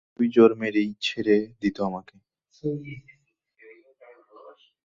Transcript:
দুটো চড় মেরেই ছেড়ে দিত আমাকে।